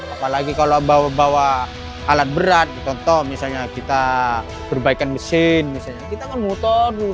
apalagi kalau bawa bawa alat berat contoh misalnya kita perbaikan mesin misalnya kita kan motor